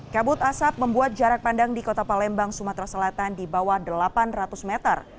kabut asap membuat jarak pandang di kota palembang sumatera selatan di bawah delapan ratus meter